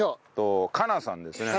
カナさんですね。